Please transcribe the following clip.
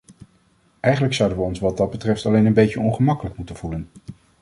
Eigenlijk zouden wij ons wat dat betreft allen een beetje ongemakkelijk moeten voelen.